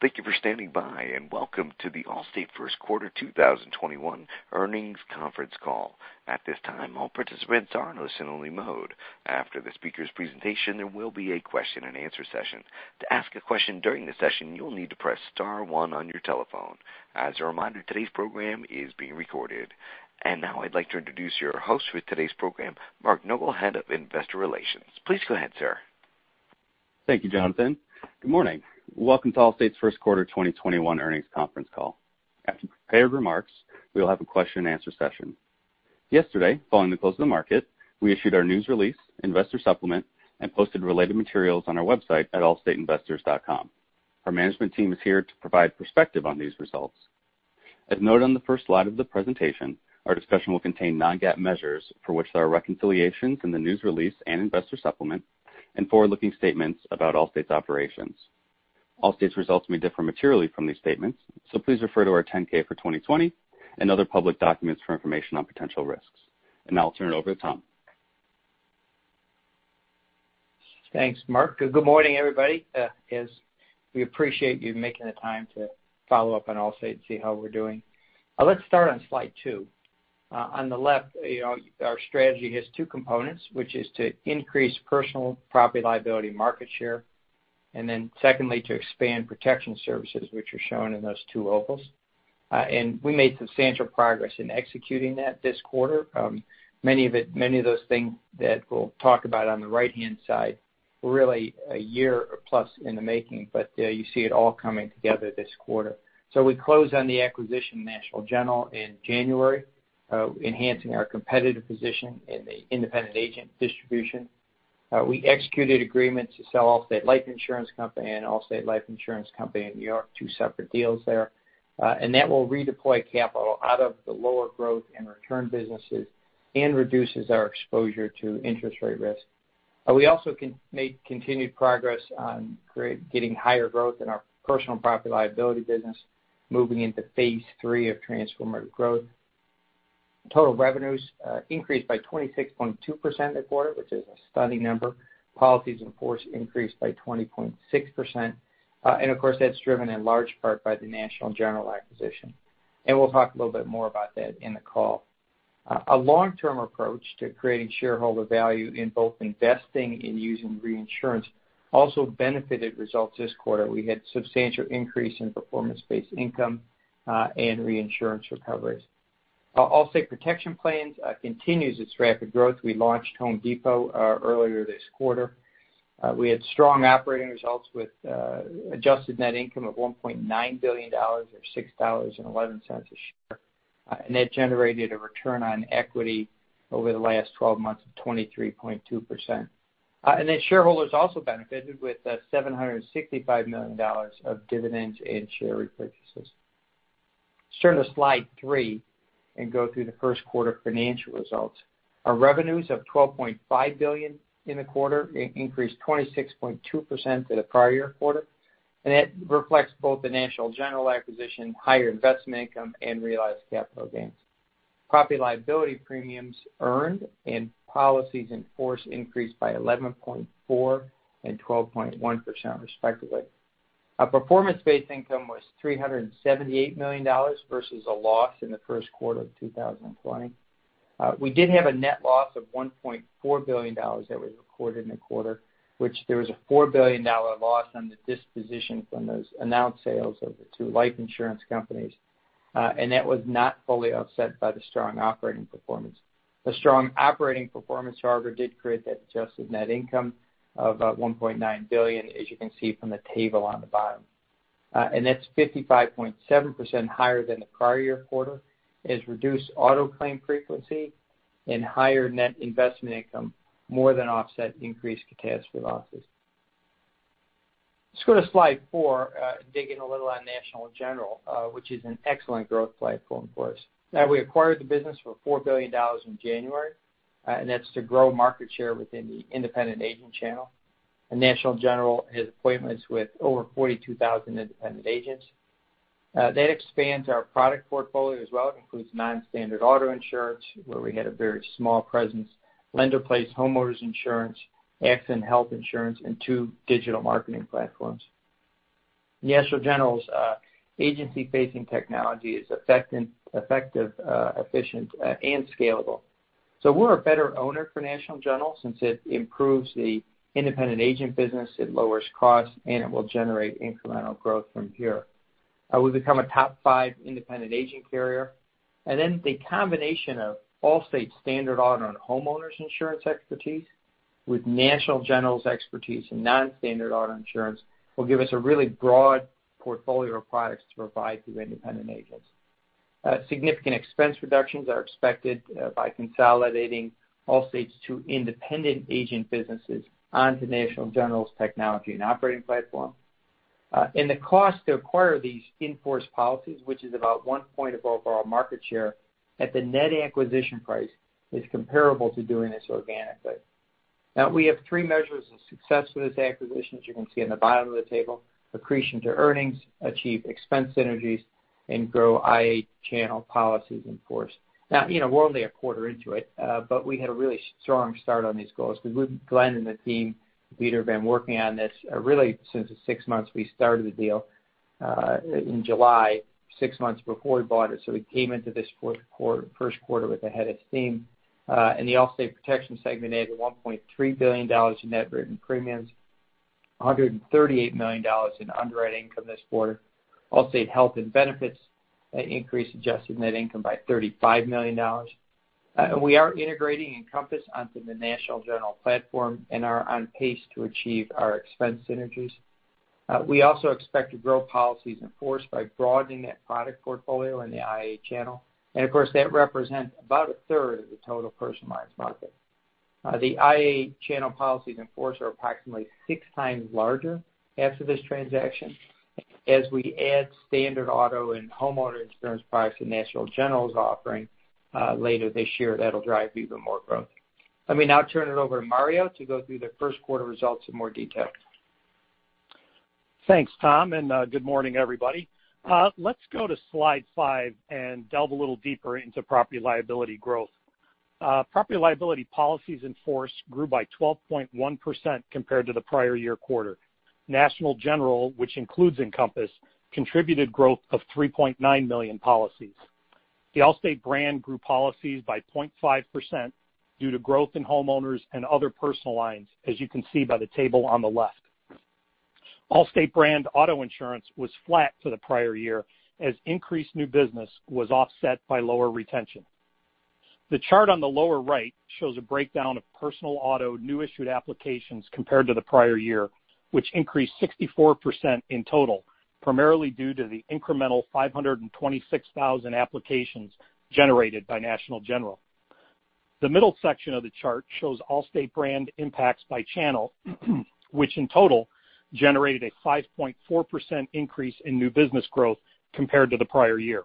Thank you for standing by. Welcome to The Allstate 1st quarter 2021 earnings conference call. At this time, all participants are in listen only mode. After the speaker's presentation, there will be a question-and-answer session. To ask a question during the session, you'll need to press star one on your telephone. As a reminder, today's program is being recorded. Now I'd like to introduce your host for today's program, Mark Nogal, Head of Investor Relations. Please go ahead, sir. Thank you, Jonathan. Good morning. Welcome to Allstate's 1st quarter 2021 earnings conference call. After the prepared remarks, we will have a question and answer session. Yesterday, following the close of the market, we issued our news release, investor supplement, and posted related materials on our website at allstateinvestors.com. Our management team is here to provide perspective on these results. As noted on the 1st slide of the presentation, our discussion will contain non-GAAP measures for which there are reconciliations in the news release and investor supplement and forward-looking statements about Allstate's operations. Allstate's results may differ materially from these statements. Please refer to our 10-K for 2020 and other public documents for information on potential risks. Now I'll turn it over to Tom. Thanks, Mark. Good morning, everybody. Yes, we appreciate you making the time to follow up on Allstate and see how we're doing. Let's start on slide 2. On the left, our strategy has two components, which is to increase personal property liability market share, and then secondly, to expand protection services, which are shown in those two ovals. We made substantial progress in executing that this quarter. Many of those things that we'll talk about on the right-hand side were really a year plus in the making, but you see it all coming together this quarter. We closed on the acquisition of National General in January, enhancing our competitive position in the independent agent distribution. We executed agreements to sell Allstate Life Insurance Company and Allstate Life Insurance Company of New York, two separate deals there. That will redeploy capital out of the lower growth and return businesses and reduces our exposure to interest rate risk. We also made continued progress on getting higher growth in our personal property liability business, moving into phase 3 of Transformative Growth. Total revenues increased by 26.2% this quarter, which is a stunning number. Policies in force increased by 20.6%. Of course, that's driven in large part by the National General acquisition. We'll talk a little bit more about that in the call. A long-term approach to creating shareholder value in both investing and using reinsurance also benefited results this quarter. We had substantial increase in performance-based income, and reinsurance recoveries. Allstate Protection Plans continues its rapid growth. We launched The Home Depot earlier this quarter. We had strong operating results with adjusted net income of $1.9 billion or $6.11 a share. That generated a return on equity over the last 12 months of 23.2%. Shareholders also benefited with $765 million of dividends and share repurchases. Let's turn to slide three and go through the 1st quarter financial results. Our revenues of $12.5 billion in the quarter increased 26.2% to the prior year quarter, and that reflects both the National General acquisition, higher investment income, and realized capital gains. Property liability premiums earned and policies in force increased by 11.4% and 12.1%, respectively. Our performance-based income was $378 million versus a loss in the 1st quarter of 2020. We did have a net loss of $1.4 billion that was recorded in the quarter, which there was a $4 billion loss on the disposition from those announced sales of the two life insurance companies. That was not fully offset by the strong operating performance. The strong operating performance, however, did create that adjusted net income of $1.9 billion, as you can see from the table on the bottom. That's 55.7% higher than the prior year quarter as reduced auto claim frequency and higher net investment income more than offset increased catastrophe losses. Let's go to slide four, dig in a little on National General, which is an excellent growth platform for us. Now, we acquired the business for $4 billion in January, that's to grow market share within the independent agent channel. National General has appointments with over 42,000 independent agents. That expands our product portfolio as well. It includes non-standard auto insurance, where we had a very small presence, lender-placed homeowners insurance, accident and health insurance, and two digital marketing platforms. National General's agency-facing technology is effective, efficient, and scalable. We're a better owner for National General since it improves the independent agent business, it lowers costs, and it will generate incremental growth from here. We've become a top five independent agent carrier, the combination of Allstate's standard auto and homeowners insurance expertise with National General's expertise in non-standard auto insurance will give us a really broad portfolio of products to provide to independent agents. Significant expense reductions are expected by consolidating Allstate's two independent agent businesses onto National General's technology and operating platform. The cost to acquire these in-force policies, which is about one point of overall market share at the net acquisition price, is comparable to doing this organically. We have three measures of success for this acquisition, as you can see on the bottom of the table: accretion to earnings, achieve expense synergies, grow IA channel policies in force. We're only a quarter into it, but we had a really strong start on these goals because Glen and the team, Peter, have been working on this really since the six months we started the deal in July, six months before we bought it. We came into this 1st quarter with a head of steam. In the Allstate Protection segment, they had $1.3 billion in net written premiums, $138 million in underwriting from this quarter. Allstate Health and Benefits increased adjusted net income by $35 million. We are integrating Encompass onto the National General platform and are on pace to achieve our expense synergies. We also expect to grow policies in force by broadening that product portfolio in the IA channel. Of course, that represents about 1/3 of the total personal lines market. The IA channel policies in force are approximately six times larger after this transaction. As we add standard auto and homeowners insurance products to National General's offering later this year, that'll drive even more growth. Let me now turn it over to Mario to go through the 1st quarter results in more detail. Thanks, Tom, and good morning, everybody. Let's go to slide five and delve a little deeper into property liability growth. Property liability policies in force grew by 12.1% compared to the prior year quarter. National General, which includes Encompass, contributed growth of 3.9 million policies. The Allstate brand grew policies by 0.5% due to growth in homeowners and other personal lines, as you can see by the table on the left. Allstate brand auto insurance was flat for the prior year as increased new business was offset by lower retention. The chart on the lower right shows a breakdown of personal auto new issued applications compared to the prior year, which increased 64% in total, primarily due to the incremental 526,000 applications generated by National General. The middle section of the chart shows Allstate brand impacts by channel, which in total generated a 5.4% increase in new business growth compared to the prior year.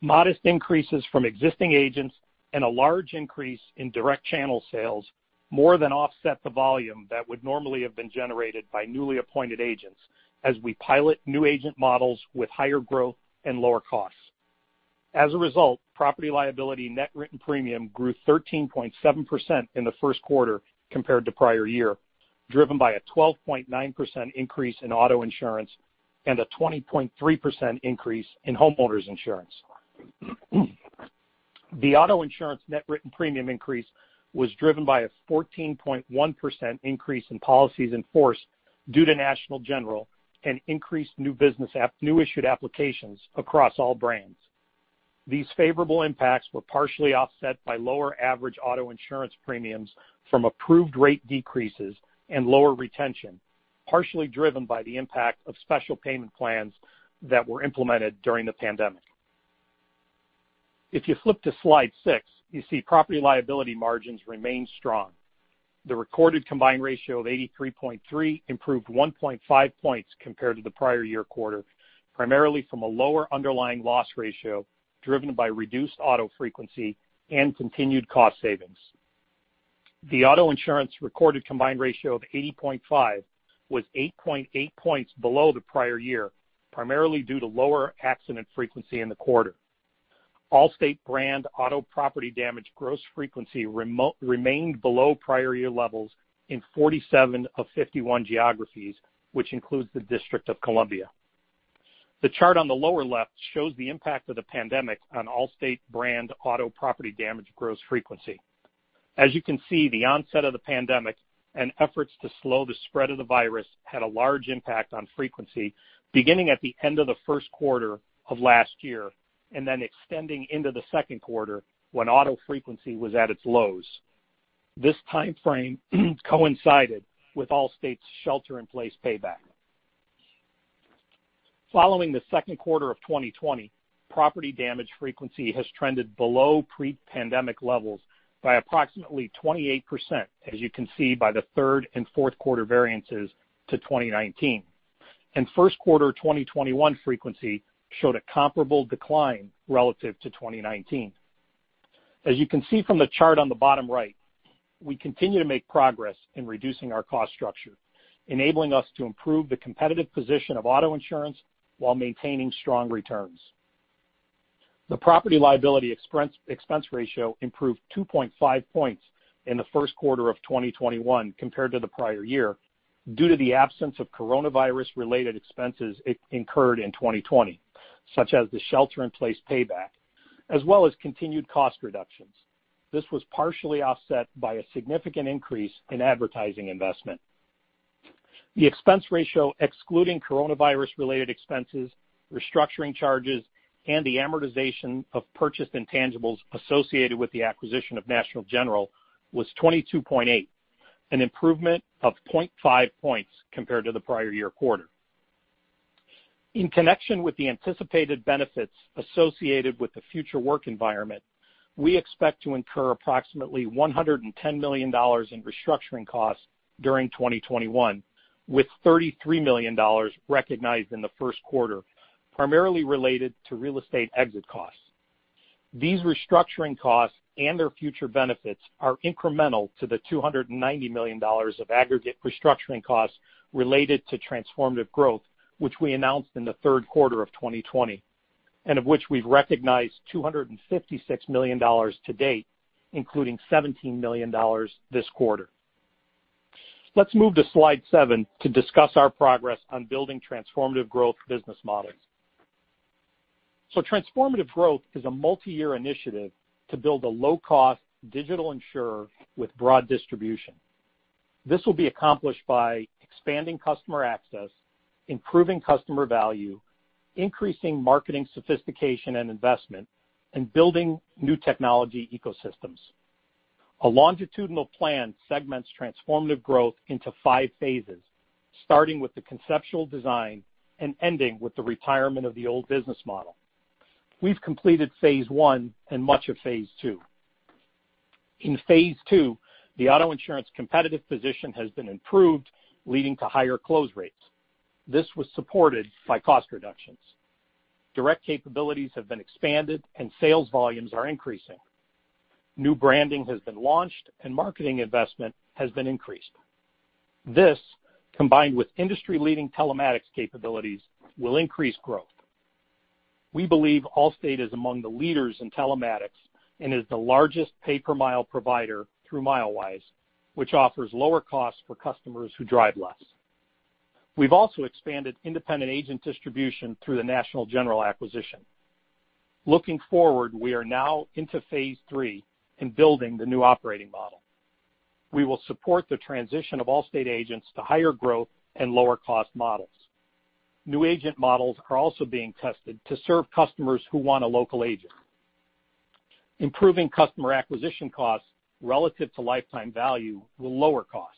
Modest increases from existing agents and a large increase in direct channel sales more than offset the volume that would normally have been generated by newly appointed agents as we pilot new agent models with higher growth and lower costs. As a result, property liability net written premium grew 13.7% in the 1st quarter compared to prior year, driven by a 12.9% increase in auto insurance and a 20.3% increase in homeowners insurance. The auto insurance net written premium increase was driven by a 14.1% increase in policies in force due to National General and increased new issued applications across all brands. These favorable impacts were partially offset by lower average auto insurance premiums from approved rate decreases and lower retention, partially driven by the impact of special payment plans that were implemented during the pandemic. You flip to slide six, you see property liability margins remain strong. The recorded combined ratio of 83.3 improved 1.5 points compared to the prior year quarter, primarily from a lower underlying loss ratio driven by reduced auto frequency and continued cost savings. The auto insurance recorded combined ratio of 80.5 was 8.8 points below the prior year, primarily due to lower accident frequency in the quarter. Allstate brand auto property damage gross frequency remained below prior year levels in 47 of 51 geographies, which includes the District of Columbia. The chart on the lower left shows the impact of the pandemic on Allstate brand auto property damage gross frequency. As you can see, the onset of the pandemic and efforts to slow the spread of the virus had a large impact on frequency, beginning at the end of the 1st quarter of last year and then extending into the 2nd quarter, when auto frequency was at its lows. This timeframe coincided with Allstate's Shelter-in-Place Payback. Following the 2nd quarter of 2020, property damage frequency has trended below pre-pandemic levels by approximately 28%, as you can see by the 3rd and fourth quarter variances to 2019. 1st quarter 2021 frequency showed a comparable decline relative to 2019. As you can see from the chart on the bottom right, we continue to make progress in reducing our cost structure, enabling us to improve the competitive position of auto insurance while maintaining strong returns. The property liability expense ratio improved 2.5 points in the 1st quarter of 2021 compared to the prior year due to the absence of coronavirus-related expenses incurred in 2020, such as the Shelter-in-Place Payback, as well as continued cost reductions. This was partially offset by a significant increase in advertising investment. The expense ratio, excluding coronavirus-related expenses, restructuring charges, and the amortization of purchased intangibles associated with the acquisition of National General, was 22.8, an improvement of 0.5 points compared to the prior year quarter. In connection with the anticipated benefits associated with the future work environment, we expect to incur approximately $110 million in restructuring costs during 2021, with $33 million recognized in the 1st quarter, primarily related to real estate exit costs. These restructuring costs and their future benefits are incremental to the $290 million of aggregate restructuring costs related to Transformative Growth, which we announced in the 3rd quarter of 2020, and of which we've recognized $256 million to date, including $17 million this quarter. Let's move to slide seven to discuss our progress on building Transformative Growth business models. Transformative Growth is a multi-year initiative to build a low-cost digital insurer with broad distribution. This will be accomplished by expanding customer access, improving customer value, increasing marketing sophistication and investment, and building new technology ecosystems. A longitudinal plan segments Transformative Growth into five phases, starting with the conceptual design and ending with the retirement of the old business model. We've completed phase 1 and much of phase 2. In phase 2, the auto insurance competitive position has been improved, leading to higher close rates. This was supported by cost reductions. Direct capabilities have been expanded and sales volumes are increasing. New branding has been launched and marketing investment has been increased. This, combined with industry-leading telematics capabilities, will increase growth. We believe Allstate is among the leaders in telematics and is the largest pay-per-mile provider through Milewise, which offers lower costs for customers who drive less. We've also expanded independent agent distribution through the National General acquisition. Looking forward, we are now into phase 3 in building the new operating model. We will support the transition of Allstate agents to higher growth and lower cost models. New agent models are also being tested to serve customers who want a local agent. Improving customer acquisition costs relative to lifetime value will lower costs.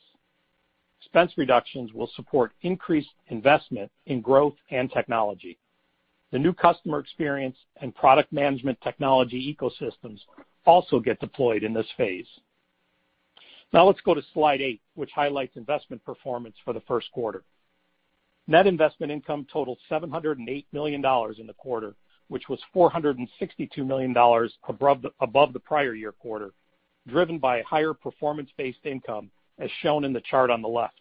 Expense reductions will support increased investment in growth and technology. The new customer experience and product management technology ecosystems also get deployed in this phase. Now let's go to slide eight, which highlights investment performance for the 1st quarter. Net investment income totaled $708 million in the quarter, which was $462 million above the prior year quarter, driven by higher performance-based income, as shown in the chart on the left.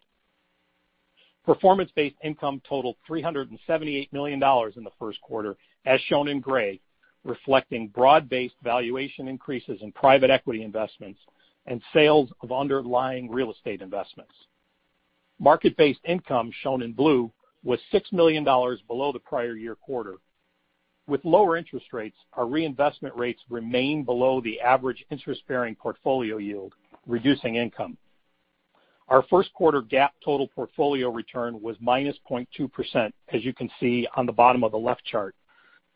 Performance-based income totaled $378 million in the 1st quarter, as shown in gray, reflecting broad-based valuation increases in private equity investments and sales of underlying real estate investments. Market-based income, shown in blue, was $6 million below the prior-year quarter. With lower interest rates, our reinvestment rates remain below the average interest-bearing portfolio yield, reducing income. Our 1st quarter GAAP total portfolio return was -0.2%, as you can see on the bottom of the left chart,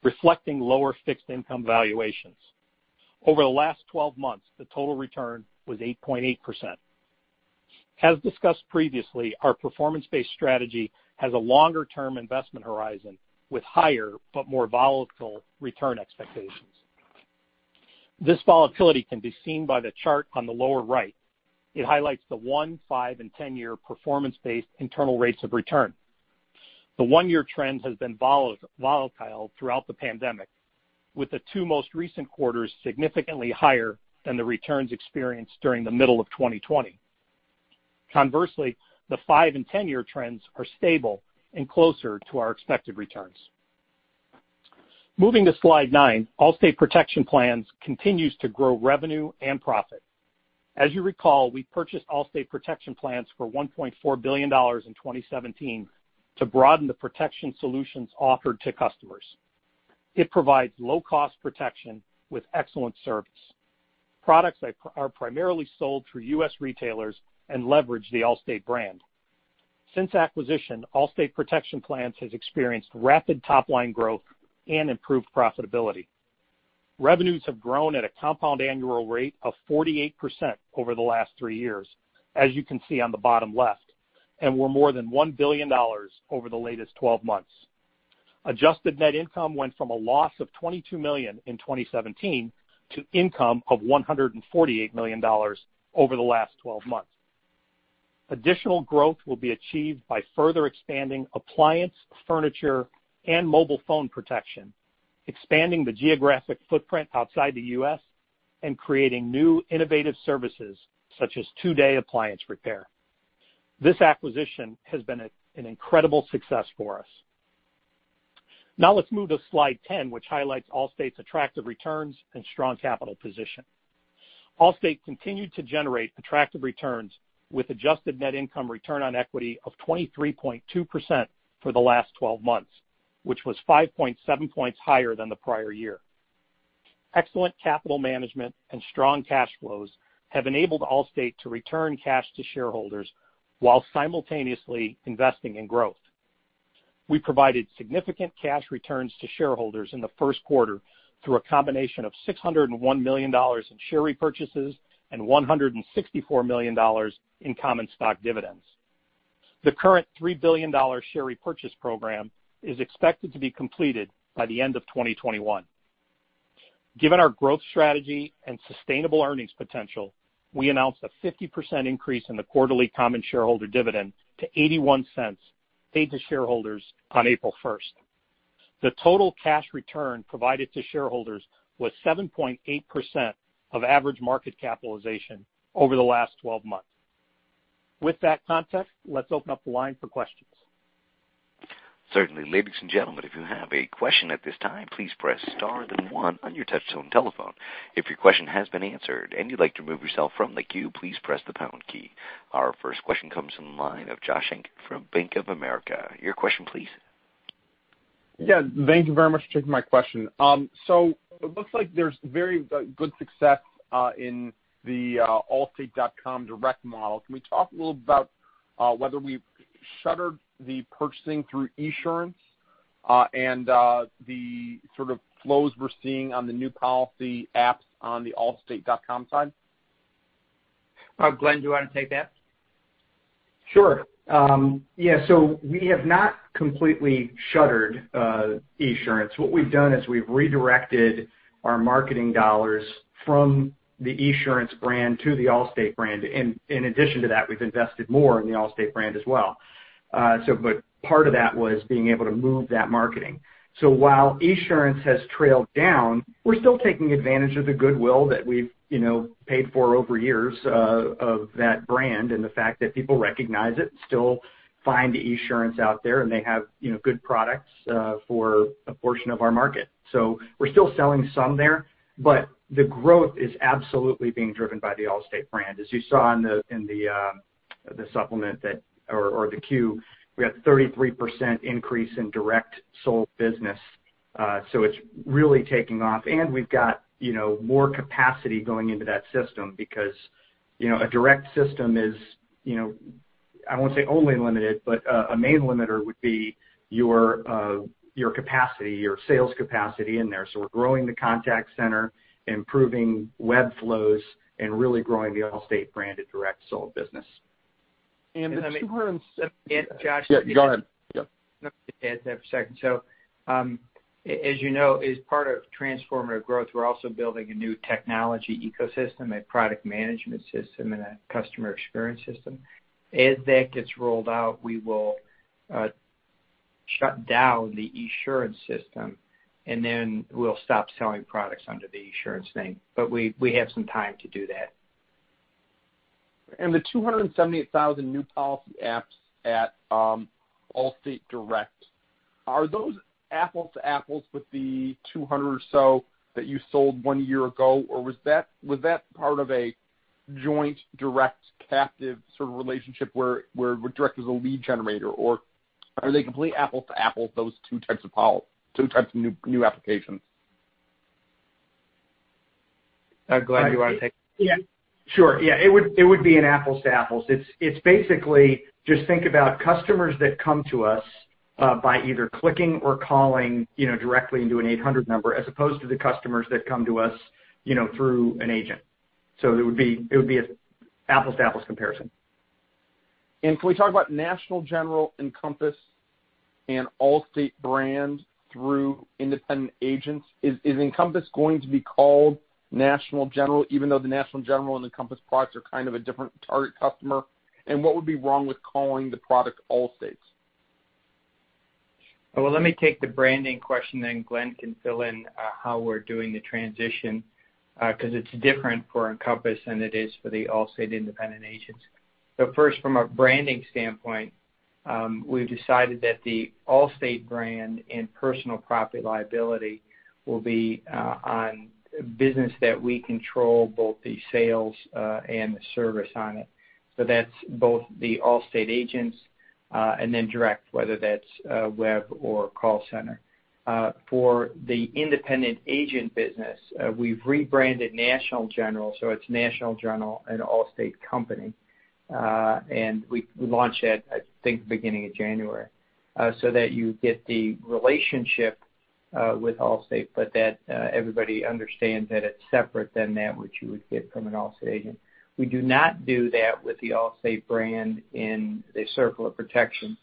reflecting lower fixed income valuations. Over the last 12 months, the total return was 8.8%. As discussed previously, our performance-based strategy has a longer-term investment horizon with higher but more volatile return expectations. This volatility can be seen by the chart on the lower right. It highlights the one, five, and 10-year performance-based internal rates of return. The one-year trend has been volatile throughout the pandemic, with the two most recent quarters significantly higher than the returns experienced during the middle of 2020. Conversely, the five and 10-year trends are stable and closer to our expected returns. Moving to slide 9, Allstate Protection Plans continues to grow revenue and profit. As you recall, we purchased Allstate Protection Plans for $1.4 billion in 2017 to broaden the protection solutions offered to customers. It provides low-cost protection with excellent service. Products are primarily sold through U.S. retailers and leverage the Allstate brand. Since acquisition, Allstate Protection Plans has experienced rapid top-line growth and improved profitability. Revenues have grown at a compound annual rate of 48% over the last three years, as you can see on the bottom left, and were more than $1 billion over the latest 12 months. Adjusted net income went from a loss of $22 million in 2017 to income of $148 million over the last 12 months. Additional growth will be achieved by further expanding appliance, furniture, and mobile phone protection, expanding the geographic footprint outside the U.S., and creating new innovative services such as two-day appliance repair. This acquisition has been an incredible success for us. Let's move to slide 10, which highlights Allstate's attractive returns and strong capital position. Allstate continued to generate attractive returns with adjusted net income return on equity of 23.2% for the last 12 months, which was 5.7 points higher than the prior year. Excellent capital management and strong cash flows have enabled Allstate to return cash to shareholders while simultaneously investing in growth. We provided significant cash returns to shareholders in the 1st quarter through a combination of $601 million in share repurchases and $164 million in common stock dividends. The current $3 billion share repurchase program is expected to be completed by the end of 2021. Given our growth strategy and sustainable earnings potential, we announced a 50% increase in the quarterly common shareholder dividend to $0.81, paid to shareholders on April 1st. The total cash return provided to shareholders was 7.8% of average market capitalization over the last 12 months. With that context, let's open up the line for questions. Certainly, ladies and gentlemen, if you have a question at this time, please press star and then one on your touchtone telephone. If your question has been answered and you'd like to remove yourself from the queue, please press the pound key. Our 1st question comes from the line of Josh Shanker from Bank of America. Your question, please. Yeah, thank you very much for taking my question. It looks like there's very good success in the allstate.com direct model. Can we talk a little about whether we've shuttered the purchasing through Esurance, and the sort of flows we're seeing on the new policy apps on the allstate.com side? Glen, do you want to take that? Sure. Yeah, we have not completely shuttered Esurance. What we've done is we've redirected our marketing dollars from the Esurance brand to the Allstate brand. In addition to that, we've invested more in the Allstate brand as well. Part of that was being able to move that marketing. While Esurance has trailed down, we're still taking advantage of the goodwill that we've paid for over years of that brand and the fact that people recognize it, still find Esurance out there, and they have good products for a portion of our market. We're still selling some there, the growth is absolutely being driven by the Allstate brand. As you saw in the supplement or the Q, we had 33% increase in direct sold business. It's really taking off and we've got more capacity going into that system because a direct system is, I won't say only limited, but a main limiter would be your capacity, your sales capacity in there. We're growing the contact center, improving web flows, and really growing the Allstate branded direct sold business. And the 270 Josh. Yeah, go ahead. Yeah. Let me add that for a 2nd. As you know, as part of Transformative Growth, we're also building a new technology ecosystem, a product management system, and a customer experience system. As that gets rolled out, we will shut down the Esurance system, then we'll stop selling products under the Esurance name. We have some time to do that. The 278,000 new policy apps at Allstate Direct, are those apples to apples with the 200 or so that you sold one year ago, or was that part of a joint direct captive sort of relationship where direct is a lead generator, or are they complete apples to apples, those two types of policy, two types of new applications? Glen, do you want to take that? Sure. Yeah, it would be an apples to apples. It is basically just think about customers that come to us, by either clicking or calling directly into an 800 number, as opposed to the customers that come to us through an agent. It would be an apples to apples comparison. Can we talk about National General, Encompass and Allstate brands through independent agents? Is Encompass going to be called National General, even though the National General and Encompass products are kind of a different target customer? What would be wrong with calling the product Allstate? Well, let me take the branding question then Glen can fill in how we're doing the transition, because it's different for Encompass than it is for the Allstate independent agents. 1st, from a branding standpoint, we've decided that the Allstate brand and personal property-liability will be on business that we control both the sales, and the service on it. That's both the Allstate agents, and then direct, whether that's web or call center. For the independent agent business, we've rebranded National General, so it's National General, an Allstate company. We launched that, I think, beginning of January, so that you get the relationship with Allstate, but that everybody understands that it's separate than that which you would get from an Allstate agent. We do not do that with the Allstate brand in the Circle of Protection.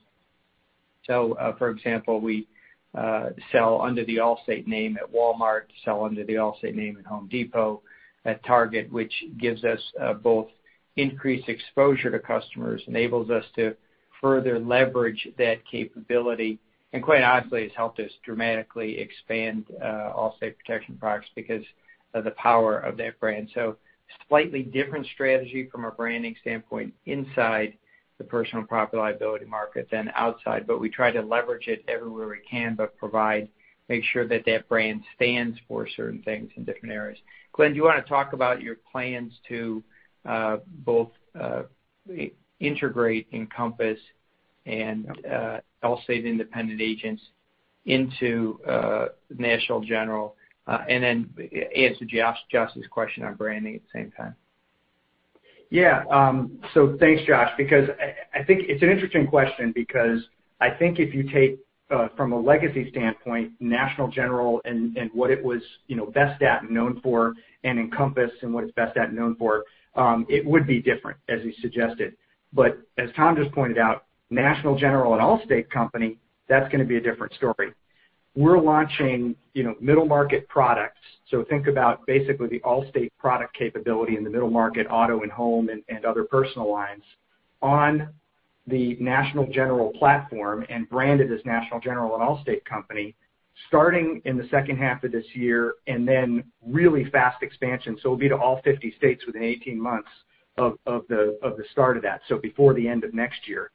For example, we sell under the Allstate name at Walmart, sell under the Allstate name at Home Depot, at Target, which gives us both increased exposure to customers, enables us to further leverage that capability, and quite honestly, has helped us dramatically expand Allstate Protection Plans because of the power of that brand. Slightly different strategy from a branding standpoint inside the personal property liability market than outside. We try to leverage it everywhere we can, but make sure that that brand stands for certain things in different areas. Glen, do you want to talk about your plans to both integrate Encompass and Allstate independent agents into National General, and then answer Josh's question on branding at the same time? Thanks, Josh, because I think it is an interesting question because I think if you take from a legacy standpoint, National General and what it was best at and known for and Encompass and what it is best at and known for, it would be different, as you suggested. As Tom just pointed out, National General, an Allstate company, that is going to be a different story. We are launching middle market products. Think about basically the Allstate product capability in the middle market, auto and home and other personal lines, on the National General platform and branded as National General, an Allstate company, starting in the 2nd half of this year, and then really fast expansion. It will be to all 50 states within 18 months of the start of that, before the end of next year.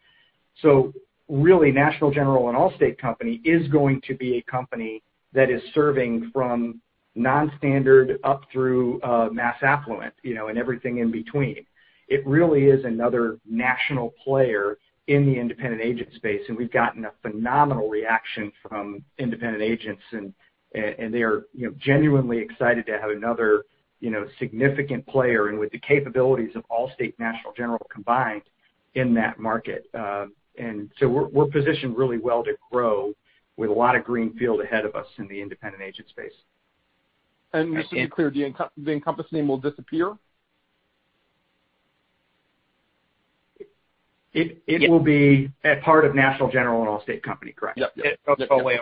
Really, National General, an Allstate company, is going to be a company that is serving from non-standard up through mass affluent, and everything in between. It really is another national player in the independent agent space, and we've gotten a phenomenal reaction from independent agents, and they are genuinely excited to have another significant player, and with the capabilities of Allstate National General combined in that market. We're positioned really well to grow with a lot of greenfield ahead of us in the independent agent space. Just to be clear, the Encompass name will disappear? It will be a part of National General, an Allstate company, correct. Yep. It goes away.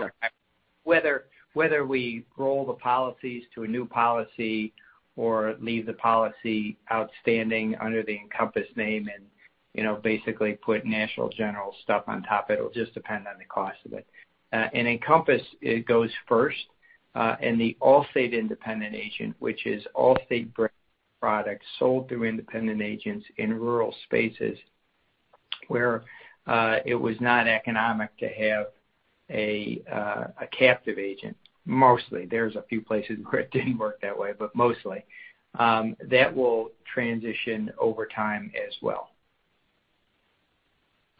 Whether we roll the policies to a new policy or leave the policy outstanding under the Encompass name and basically put National General stuff on top, it'll just depend on the cost of it. Encompass, it goes 1st. The Allstate independent agent, which is Allstate brand products sold through independent agents in rural spaces where it was not economic to have a captive agent, mostly. There's a few places where it didn't work that way, but mostly. That will transition over time as well.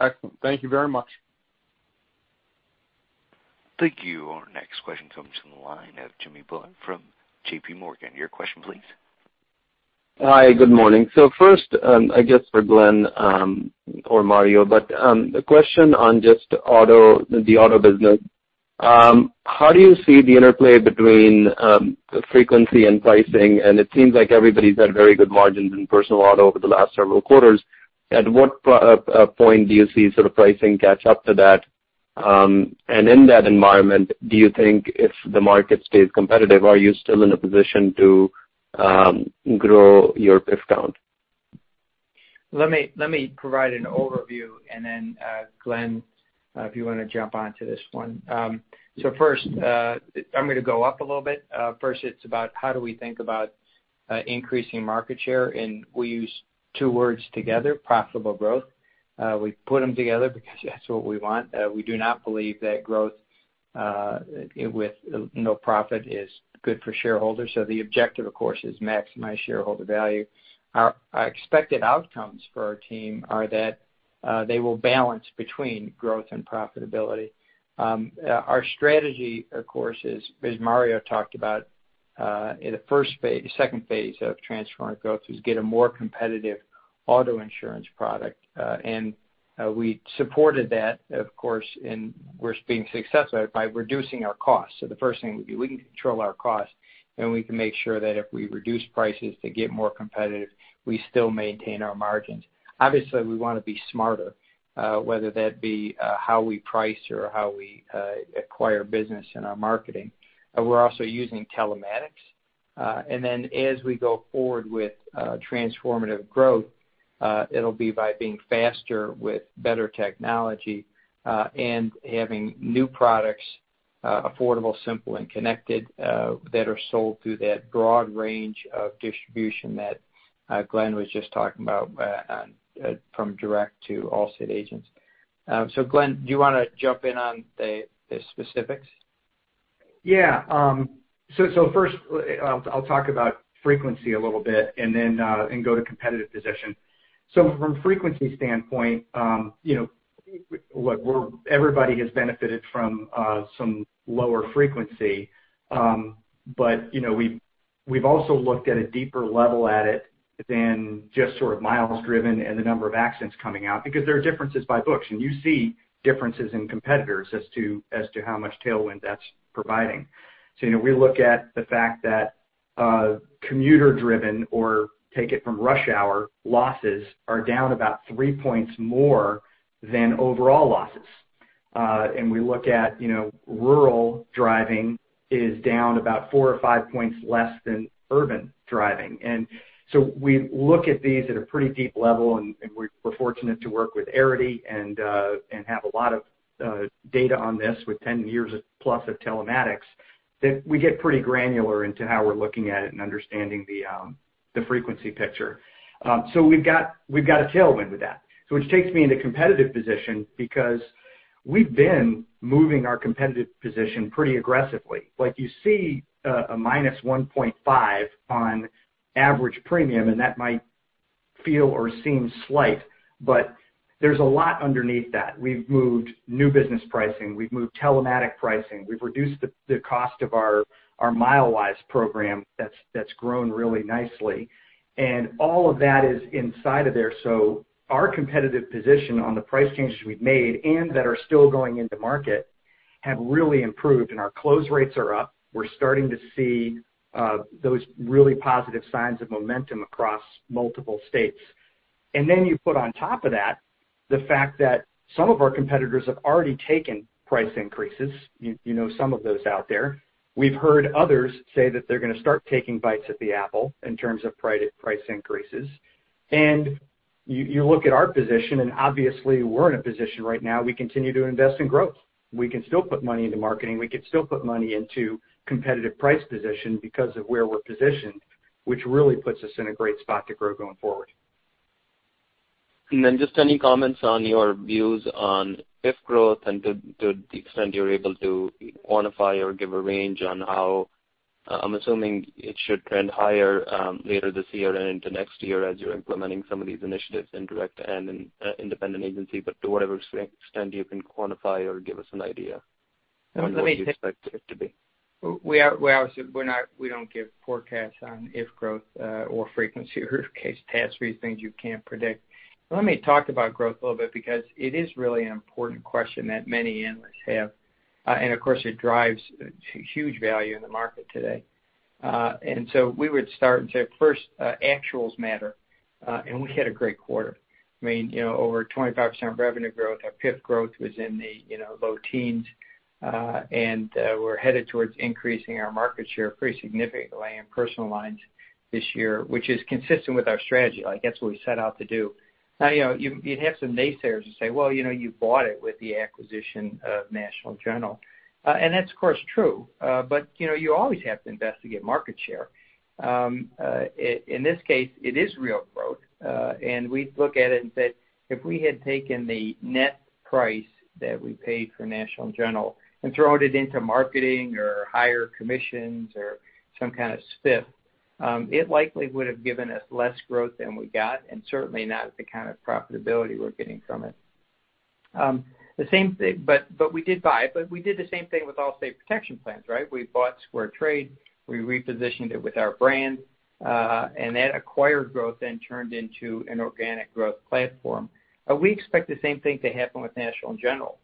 Excellent. Thank you very much. Thank you. Our next question comes from the line of Jimmy Bhullar from JPMorgan. Your question please. Hi, good morning. 1st, I guess for Glen or Mario, a question on just the auto business. How do you see the interplay between frequency and pricing? It seems like everybody's had very good margins in personal auto over the last several quarters. At what point do you see pricing catch up to that? In that environment, do you think if the market stays competitive, are you still in a position to grow your PIF count? Let me provide an overview, and then, Glen, if you want to jump onto this one. 1st, I'm going to go up a little bit. 1st, it's about how do we think about increasing market share, and we use two words together, profitable growth. We put them together because that's what we want. We do not believe that growth with no profit is good for shareholders. The objective, of course, is maximize shareholder value. Our expected outcomes for our team are that they will balance between growth and profitability. Our strategy, of course, as Mario talked about, in the 2nd phase of Transformative Growth, is get a more competitive auto insurance product. We supported that, of course, and we're being successful by reducing our costs. The 1st thing would be we can control our costs, and we can make sure that if we reduce prices to get more competitive, we still maintain our margins. Obviously, we want to be smarter, whether that be how we price or how we acquire business in our marketing. We're also using telematics. As we go forward with Transformative Growth, it'll be by being faster with better technology, and having new products, affordable, simple, and connected, that are sold through that broad range of distribution that Glen was just talking about from direct to Allstate agents. Glen, do you want to jump in on the specifics? 1st, I'll talk about frequency a little bit and go to competitive position. From frequency standpoint, everybody has benefited from some lower frequency. We've also looked at a deeper level at it than just miles driven and the number of accidents coming out, because there are differences by books, and you see differences in competitors as to how much tailwind that's providing. We look at the fact that commuter-driven or take it from rush hour losses are down about three points more than overall losses. We look at rural driving is down about four or five points less than urban driving. We look at these at a pretty deep level, and we're fortunate to work with Arity and have a lot of data on this with 10 years plus of telematics, that we get pretty granular into how we're looking at it and understanding the frequency picture. We've got a tailwind with that. Which takes me into competitive position because we've been moving our competitive position pretty aggressively. Like you see a -1.5 on average premium, and that might feel or seem slight, but there's a lot underneath that. We've moved new business pricing, we've moved telematic pricing, we've reduced the cost of our Milewise program that's grown really nicely. All of that is inside of there. Our competitive position on the price changes we've made and that are still going into market have really improved, and our close rates are up. We're starting to see those really positive signs of momentum across multiple states. You put on top of that. The fact that some of our competitors have already taken price increases, you know some of those out there. We've heard others say that they're going to start taking bites at the apple in terms of price increases. You look at our position. Obviously, we're in a position right now, we continue to invest in growth. We can still put money into marketing. We can still put money into competitive price position because of where we're positioned, which really puts us in a great spot to grow going forward. Just any comments on your views on PIF growth and to the extent you're able to quantify or give a range on how, I'm assuming it should trend higher later this year and into next year as you're implementing some of these initiatives in direct and in independent agency, but to whatever extent you can quantify or give us an idea? Let me take- What would you expect it to be? We don't give forecasts on PIF growth or frequency or catastrophe, things you can't predict. Let me talk about growth a little bit because it is really an important question that many analysts have. Of course, it drives huge value in the market today. We would start and say, 1st, actuals matter, and we had a great quarter. I mean, over 25% revenue growth. Our PIF growth was in the low teens. We're headed towards increasing our market share pretty significantly in personal lines this year, which is consistent with our strategy. That's what we set out to do. Now, you'd have some naysayers who say, "Well, you bought it with the acquisition of National General." That's, of course, true. You always have to invest to get market share. In this case, it is real growth. We look at it and said, if we had taken the net price that we paid for National General and thrown it into marketing or higher commissions or some kind of spiff, it likely would've given us less growth than we got, and certainly not the kind of profitability we're getting from it. We did buy it, but we did the same thing with Allstate Protection Plans, right? We bought SquareTrade, we repositioned it with our brand, and that acquired growth then turned into an organic growth platform. We expect the same thing to happen with National General.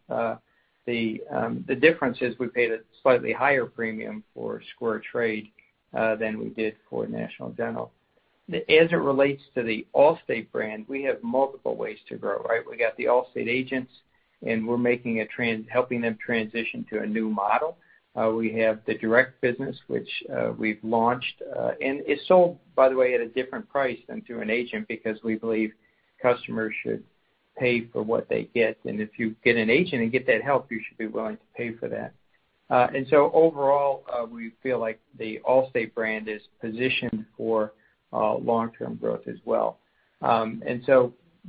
The difference is we paid a slightly higher premium for SquareTrade than we did for National General. As it relates to the Allstate brand, we have multiple ways to grow, right? We've got the Allstate agents, and we're helping them transition to a new model. We have the direct business, which we've launched. It's sold, by the way, at a different price than through an agent because we believe customers should pay for what they get. If you get an agent and get that help, you should be willing to pay for that. Overall, we feel like the Allstate brand is positioned for long-term growth as well.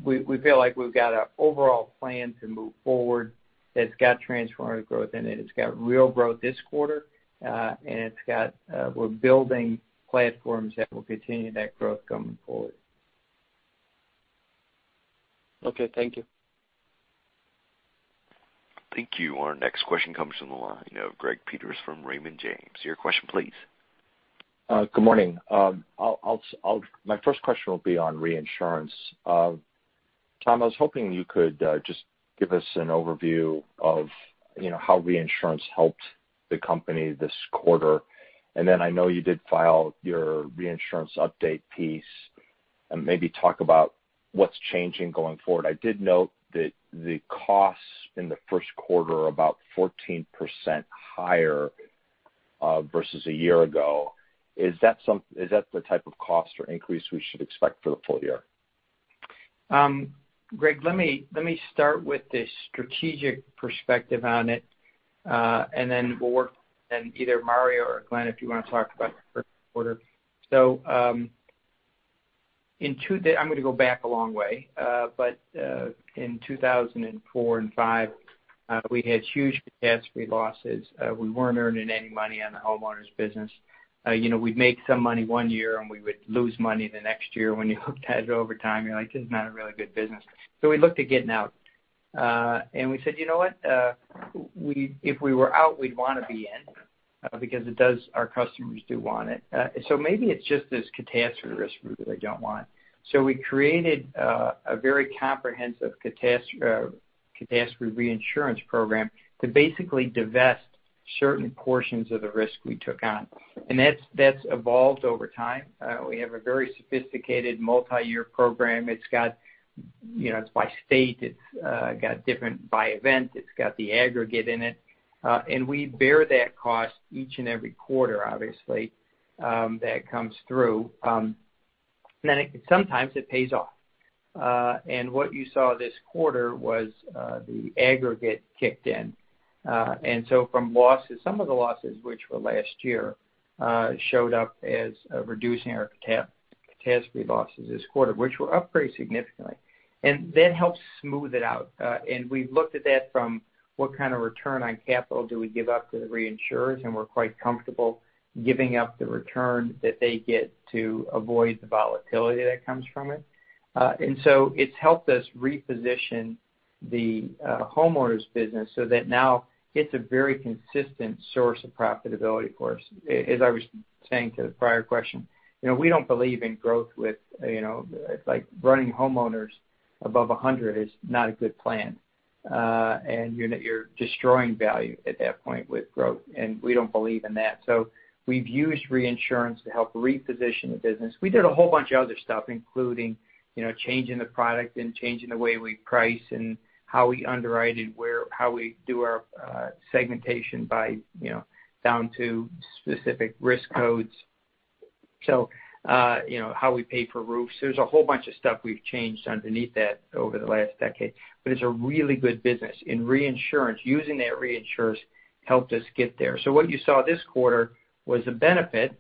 We feel like we've got an overall plan to move forward that's got Transformative Growth in it. It's got real growth this quarter, and we're building platforms that will continue that growth going forward. Okay, thank you. Thank you. Our next question comes from the line of Greg Peters from Raymond James. Your question, please. Good morning. My 1st question will be on reinsurance. Tom, I was hoping you could just give us an overview of how reinsurance helped the company this quarter. I know you did file your reinsurance update piece, and maybe talk about what's changing going forward. I did note that the costs in the 1st quarter are about 14% higher versus a year ago. Is that the type of cost or increase we should expect for the full year? Greg, let me start with the strategic perspective on it, and then we'll work, and either Mario or Glen, if you want to talk about the 1st quarter. I'm going to go back a long way, but in 2004 and 2005, we had huge catastrophe losses. We weren't earning any money on the homeowners business. We'd make some money one year, and we would lose money the next year. When you looked at it over time, you're like, "This is not a really good business." We looked at getting out. We said, "You know what? If we were out, we'd want to be in because our customers do want it. Maybe it's just this catastrophe risk group that they don't want." We created a very comprehensive catastrophe reinsurance program to basically divest certain portions of the risk we took on. That's evolved over time. We have a very sophisticated multi-year program. It's by state, it's got different by event, it's got the aggregate in it. We bear that cost each and every quarter, obviously, that comes through. Sometimes it pays off. What you saw this quarter was the aggregate kicked in. From losses, some of the losses which were last year, showed up as reducing our catastrophe losses this quarter, which were up very significantly. That helps smooth it out. We've looked at that from what kind of return on capital do we give up to the reinsurers, and we're quite comfortable giving up the return that they get to avoid the volatility that comes from it. It's helped us reposition the homeowners business so that now it's a very consistent source of profitability for us. As I was saying to the prior question, we don't believe in growth with, like running homeowners above 100 is not a good plan. You're destroying value at that point with growth, and we don't believe in that. We've used reinsurance to help reposition the business. We did a whole bunch of other stuff, including changing the product and changing the way we price and how we underwrite it, how we do our segmentation down to specific risk codes. How we pay for roofs. There's a whole bunch of stuff we've changed underneath that over the last decade, but it's a really good business. In reinsurance, using that reinsurers helped us get there. What you saw this quarter was the benefit,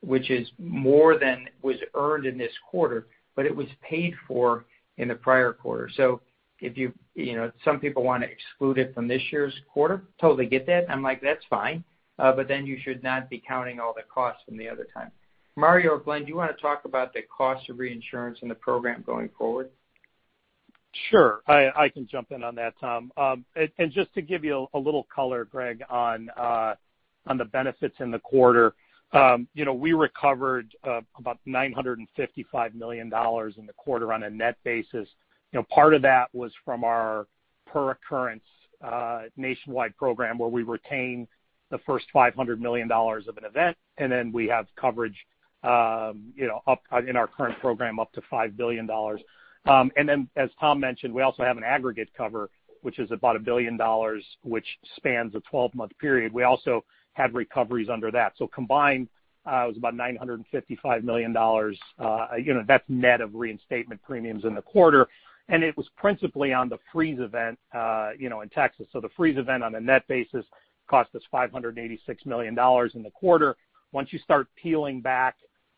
which is more than was earned in this quarter, but it was paid for in the prior quarter. Some people want to exclude it from this year's quarter, totally get that. I'm like, that's fine. You should not be counting all the costs from the other time. Mario or Glen, do you want to talk about the cost of reinsurance and the program going forward? Sure. I can jump in on that, Tom. Just to give you a little color, Greg, on the benefits in the quarter. We recovered about $955 million in the quarter on a net basis. Part of that was from our per occurrence Nationwide program, where we retain the 1st $500 million of an event, and then we have coverage in our current program up to $5 billion. As Tom mentioned, we also have an aggregate cover, which is about $1 billion, which spans a 12-month period. We also had recoveries under that. Combined, it was about $955 million. That's net of reinstatement premiums in the quarter. It was principally on the freeze event in Texas. The freeze event on a net basis cost us $586 million in the quarter. Once you start peeling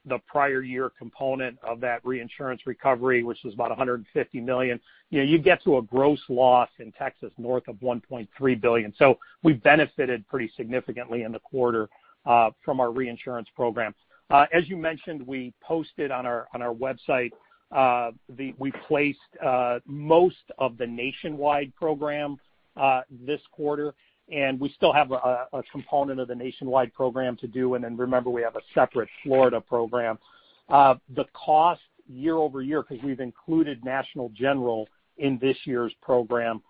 back the prior year component of that reinsurance recovery, which was about $150 million, you get to a gross loss in Texas north of $1.3 billion. We benefited pretty significantly in the quarter from our reinsurance program. As you mentioned, we posted on our website, we placed most of the Nationwide program this quarter, and we still have a component of the Nationwide program to do. Remember, we have a separate Florida program. The cost year-over-year, because we've included National General in this year's program,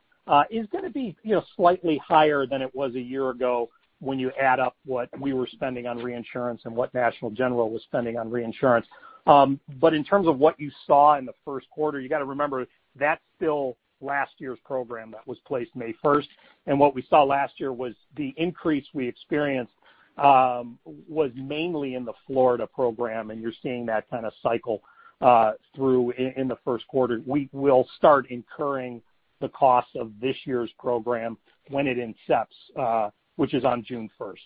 is going to be slightly higher than it was a year ago when you add up what we were spending on reinsurance and what National General was spending on reinsurance. In terms of what you saw in the 1st quarter, you got to remember, that's still last year's program that was placed May 1st. What we saw last year was the increase we experienced was mainly in the Florida program, and you're seeing that kind of cycle through in the 1st quarter. We will start incurring the cost of this year's program when it incepts, which is on June 1st.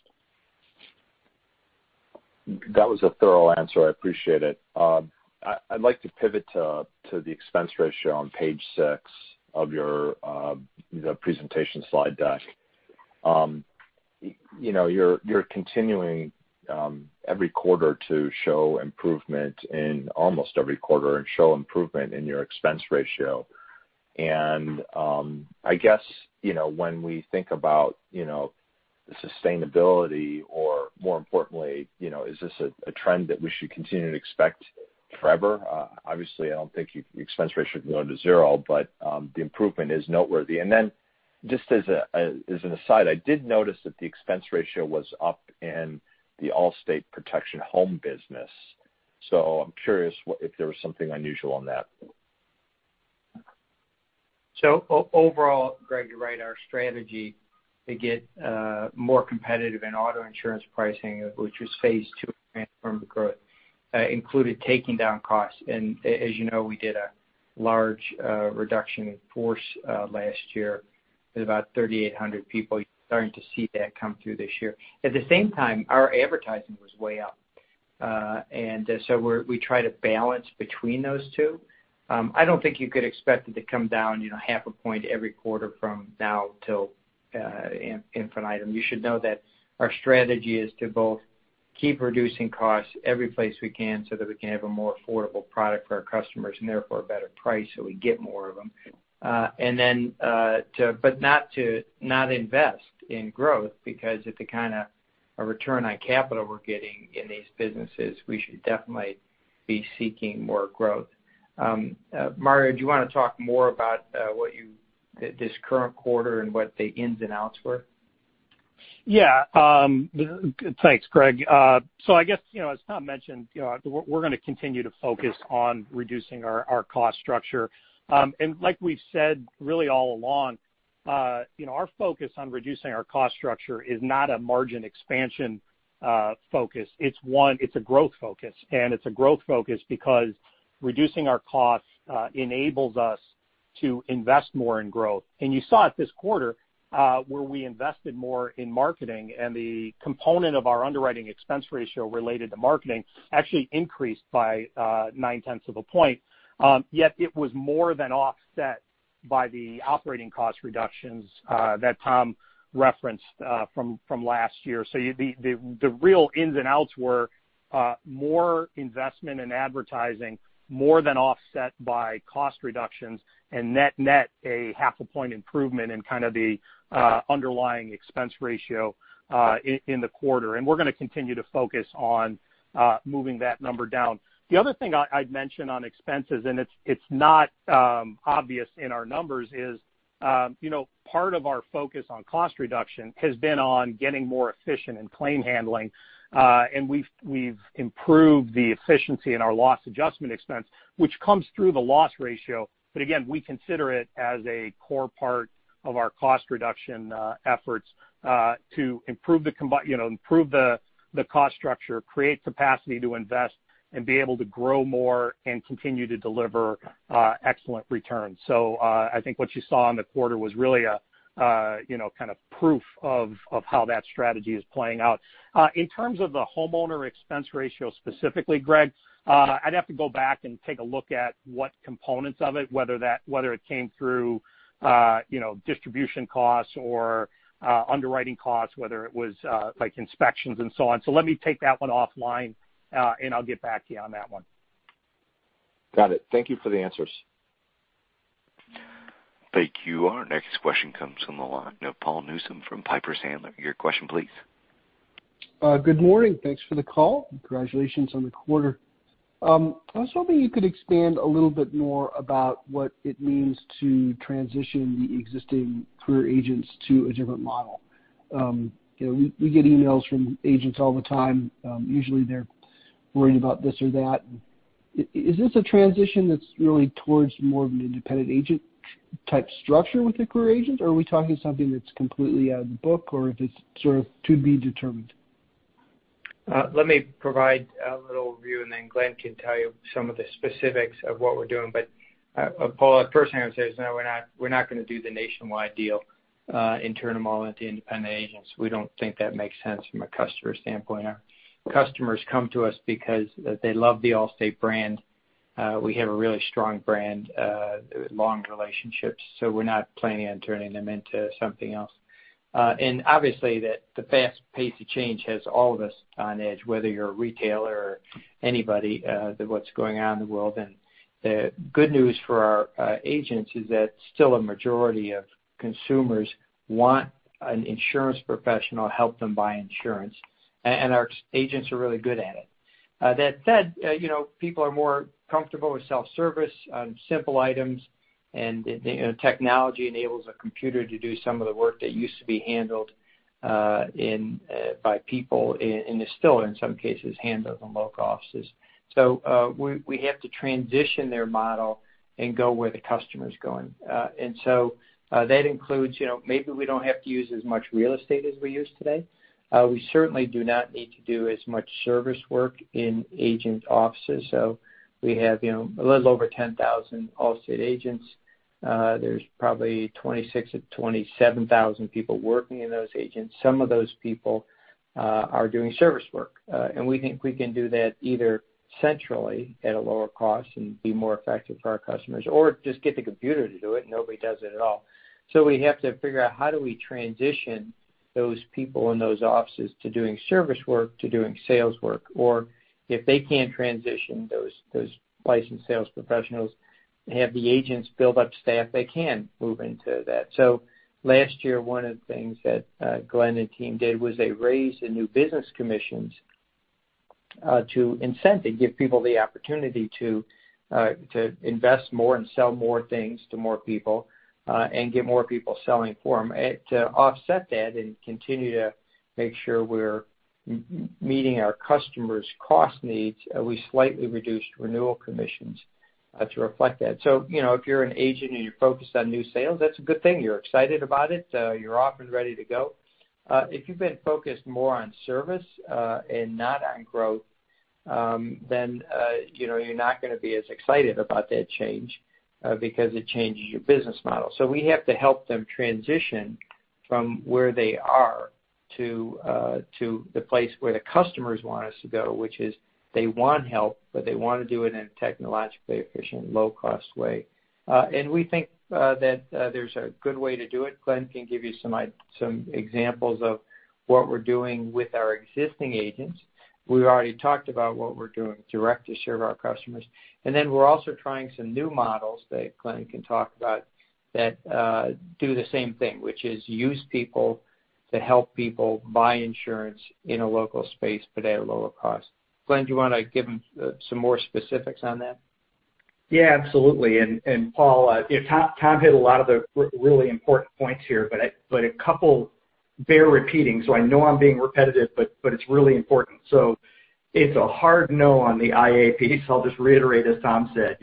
That was a thorough answer. I appreciate it. I'd like to pivot to the expense ratio on page 6 of your presentation slide deck. You're continuing every quarter to show improvement in almost every quarter and show improvement in your expense ratio. I guess, when we think about the sustainability or more importantly, is this a trend that we should continue to expect forever? Obviously, I don't think your expense ratio can go into zero. The improvement is noteworthy. Just as an aside, I did notice that the expense ratio was up in the Allstate Protection Home business. I'm curious if there was something unusual on that. Overall, Greg, you're right. Our strategy to get more competitive in auto insurance pricing, which was phase two of Transformative Growth, included taking down costs. As you know, we did a large reduction in force last year with about 3,800 people. You're starting to see that come through this year. At the same time, our advertising was way up. We try to balance between those two. I don't think you could expect it to come down half a point every quarter from now till infinitum. You should know that our strategy is to both keep reducing costs every place we can so that we can have a more affordable product for our customers and therefore a better price so we get more of them. Not to not invest in growth, because at the kind of a return on capital we're getting in these businesses, we should definitely be seeking more growth. Mario, do you want to talk more about this current quarter and what the ins and outs were? Thanks, Greg. I guess, as Tom mentioned, we're going to continue to focus on reducing our cost structure. Like we've said really all along, our focus on reducing our cost structure is not a margin expansion focus. It's a growth focus, it's a growth focus because reducing our costs enables us to invest more in growth. You saw it this quarter, where we invested more in marketing, and the component of our underwriting expense ratio related to marketing actually increased by nine-tenths of a point. Yet it was more than offset by the operating cost reductions that Tom referenced from last year. The real ins and outs were more investment in advertising, more than offset by cost reductions, and net a half a point improvement in the underlying expense ratio in the quarter. We're going to continue to focus on moving that number down. The other thing I'd mention on expenses, and it's not obvious in our numbers, is part of our focus on cost reduction has been on getting more efficient in claim handling. We've improved the efficiency in our loss adjustment expense, which comes through the loss ratio. Again, we consider it as a core part of our cost reduction efforts to improve the cost structure, create capacity to invest, and be able to grow more and continue to deliver excellent returns. I think what you saw in the quarter was really a kind of proof of how that strategy is playing out. In terms of the homeowner expense ratio specifically, Greg, I'd have to go back and take a look at what components of it, whether it came through distribution costs or underwriting costs, whether it was inspections and so on. Let me take that one offline, and I'll get back to you on that one. Got it. Thank you for the answers. Thank you. Our next question comes from the line of Paul Newsome from Piper Sandler. Your question, please. Good morning. Thanks for the call. Congratulations on the quarter. I was hoping you could expand a little bit more about what it means to transition the existing career agents to a different model. We get emails from agents all the time. Usually, they're worried about this or that. Is this a transition that's really towards more of an independent agent type structure with the career agents, or are we talking something that's completely out of the book, or if it's sort of to be determined? Let me provide a little view, then Glen can tell you some of the specifics of what we're doing. Paul, the 1st thing I would say is, no, we're not going to do the Nationwide deal and turn them all into Independent Agents. We don't think that makes sense from a customer standpoint. Our customers come to us because they love the Allstate brand. We have a really strong brand, long relationships, we're not planning on turning them into something else. Obviously, the fast pace of change has all of us on edge, whether you're a retailer or anybody, what's going on in the world. The good news for our agents is that still a majority of consumers want an insurance professional to help them buy insurance, and our agents are really good at it. That said, people are more comfortable with self-service on simple items, and technology enables a computer to do some of the work that used to be handled by people, and is still, in some cases, handled in local offices. We have to transition their model and go where the customer's going. That includes maybe we don't have to use as much real estate as we use today. We certainly do not need to do as much service work in agent offices. We have a little over 10,000 Allstate agents. There's probably 26,000 to 27,000 people working in those agents. Some of those people are doing service work. We think we can do that either centrally at a lower cost and be more effective for our customers, or just get the computer to do it, and nobody does it at all. We have to figure out how do we transition those people in those offices to doing service work, to doing sales work, or if they can't transition those licensed sales professionals, have the agents build up staff that can move into that. Last year, one of the things that Glen and team did was they raised the new business commissions to incentive, give people the opportunity to invest more and sell more things to more people, and get more people selling for them. To offset that and continue to make sure we're meeting our customers' cost needs, we slightly reduced renewal commissions to reflect that. If you're an agent and you're focused on new sales, that's a good thing. You're excited about it. You're off and ready to go. If you've been focused more on service and not on growth, then you're not going to be as excited about that change because it changes your business model. We have to help them transition from where they are to the place where the customers want us to go, which is they want help, but they want to do it in a technologically efficient, low-cost way. We think that there's a good way to do it. Glen can give you some examples of what we're doing with our existing agents. We already talked about what we're doing direct to serve our customers. Then we're also trying some new models that Glen can talk about that do the same thing, which is use people to help people buy insurance in a local space, but at a lower cost. Glen, do you want to give them some more specifics on that? Yeah, absolutely. Paul, Tom hit a lot of the really important points here, but a couple bear repeating. I know I'm being repetitive, but it's really important. It's a hard no on the IA, so I'll just reiterate, as Tom said,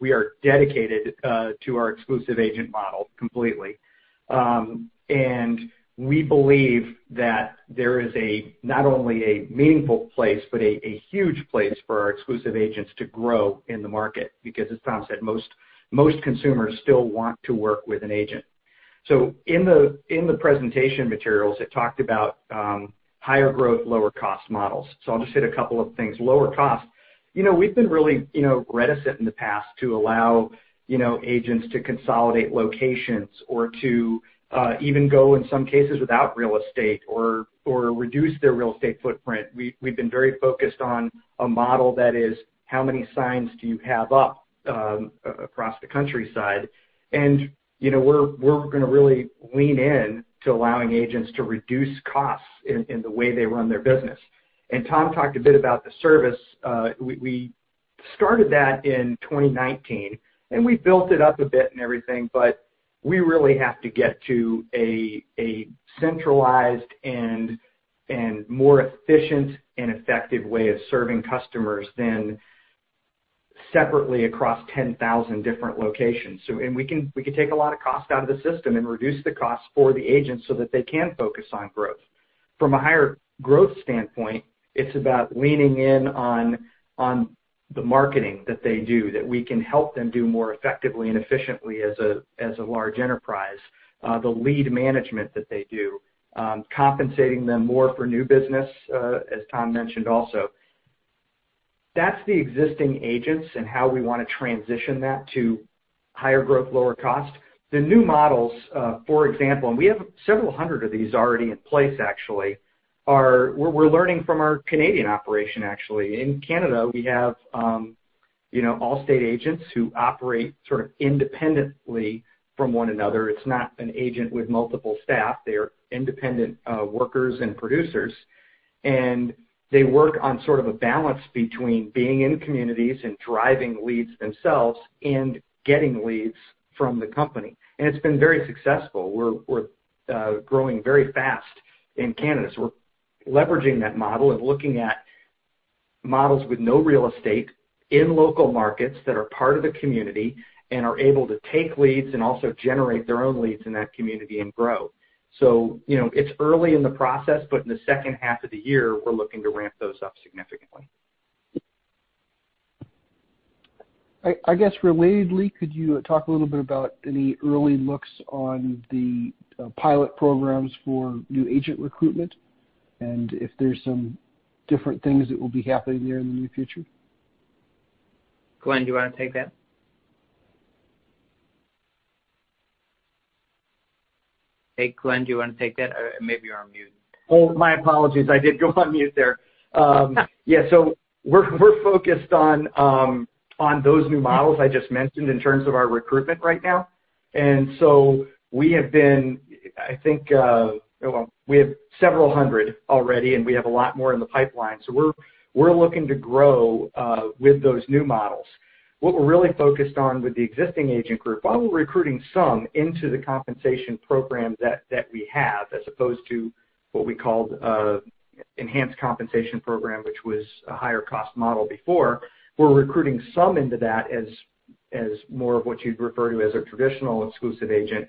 we are dedicated to our exclusive agent model completely. We believe that there is not only a meaningful place, but a huge place for our exclusive agents to grow in the market because, as Tom said, most consumers still want to work with an agent. In the presentation materials, it talked about higher growth, lower cost models. I'll just hit a couple of things. Lower cost. We've been really reticent in the past to allow agents to consolidate locations or to even go, in some cases, without real estate or reduce their real estate footprint. We've been very focused on a model that is how many signs do you have up across the countryside? We're going to really lean in to allowing agents to reduce costs in the way they run their business. Tom talked a bit about the service. We started that in 2019, and we built it up a bit and everything, but we really have to get to a centralized and more efficient and effective way of serving customers than separately across 10,000 different locations. We could take a lot of cost out of the system and reduce the cost for the agents so that they can focus on growth. From a higher growth standpoint, it's about leaning in on the marketing that they do, that we can help them do more effectively and efficiently as a large enterprise. The lead management that they do, compensating them more for new business, as Tom mentioned also. That's the existing agents and how we want to transition that to higher growth, lower cost. The new models, for example, and we have several hundred of these already in place, actually, are where we're learning from our Canadian operation, actually. In Canada, we have Allstate agents who operate sort of independently from one another. It's not an agent with multiple staff. They're independent workers and producers, and they work on sort of a balance between being in communities and driving leads themselves and getting leads from the company, and it's been very successful. We're growing very fast in Canada, we're leveraging that model and looking at models with no real estate in local markets that are part of the community and are able to take leads and also generate their own leads in that community and grow. It's early in the process, but in the 2nd half of the year, we're looking to ramp those up significantly. I guess relatedly, could you talk a little bit about any early looks on the pilot programs for new agent recruitment and if there's some different things that will be happening there in the near future? Glen, do you want to take that? Hey, Glen, do you want to take that? Or maybe you're on mute. My apologies. I did go on mute there. We're focused on those new models I just mentioned in terms of our recruitment right now. We have several hundred already, and we have a lot more in the pipeline. We're looking to grow with those new models. What we're really focused on with the existing agent group, while we're recruiting some into the compensation program that we have, as opposed to what we called enhanced compensation program, which was a higher cost model before. We're recruiting some into that as more of what you'd refer to as a traditional exclusive agent.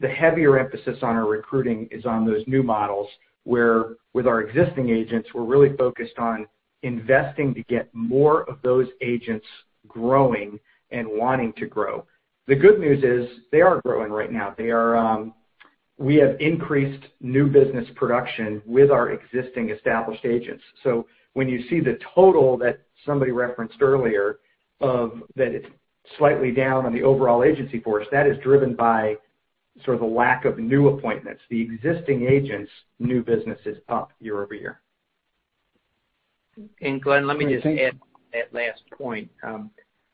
The heavier emphasis on our recruiting is on those new models, where with our existing agents, we're really focused on investing to get more of those agents growing and wanting to grow. The good news is they are growing right now. We have increased new business production with our existing established agents. When you see the total that somebody referenced earlier, that it's slightly down on the overall agency force, that is driven by sort of a lack of new appointments. The existing agents' new business is up year-over-year. Glen, let me just add to that last point,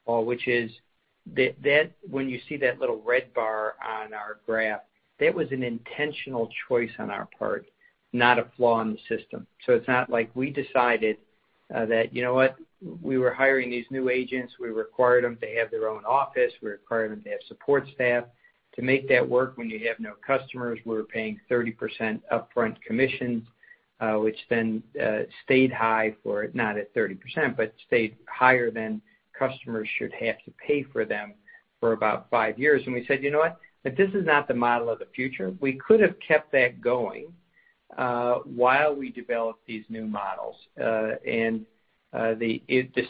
which is that when you see that little red bar on our graph, that was an intentional choice on our part, not a flaw in the system. It's not like we decided that, you know what? We were hiring these new agents. We required them to have their own office. We required them to have support staff. To make that work when you have no customers, we were paying 30% upfront commissions, which then stayed high for, not at 30%, but stayed higher than customers should have to pay for them for about five years. We said, "You know what? That this is not the model of the future." We could have kept that going while we developed these new models. The